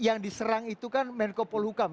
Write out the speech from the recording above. yang diserang itu kan menko polhukam